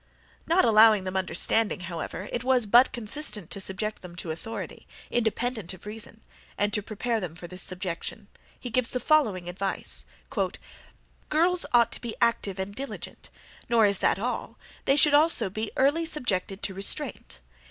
Not allowing them understanding, however, it was but consistent to subject them to authority, independent of reason; and to prepare them for this subjection, he gives the following advice: "Girls ought to be active and diligent; nor is that all; they should also be early subjected to restraint.